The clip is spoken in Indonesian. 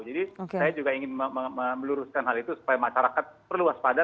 jadi saya juga ingin meluruskan hal itu supaya masyarakat perlu waspadai